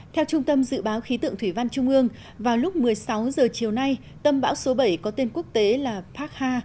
theo trung tâm dự báo khí tượng thủy văn trung ương vào lúc một mươi sáu h chiều nay tâm bão số bảy có tên quốc tế là park ha